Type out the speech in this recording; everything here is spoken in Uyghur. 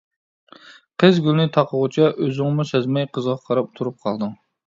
قىز گۈلنى تاقىغۇچە ئۆزۈڭمۇ سەزمەي قىزغا قاراپ تۇرۇپ قالدىڭ.